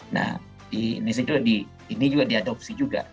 nah ini juga diadopsi juga